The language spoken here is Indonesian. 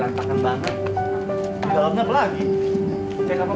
enggak enggak gak ada apa apa